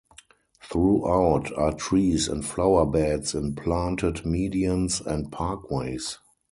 Throughout are trees and flower beds in planted medians and parkways.